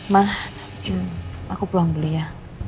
ma aku pulang dulu ya